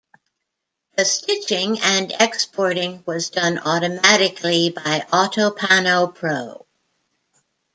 The stitching and exporting was done automatically by Autopano Pro.